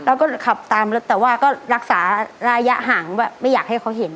แล้วก็ขับตามรถแต่ว่าก็รักษาระยะห่างแบบไม่อยากให้เขาเห็น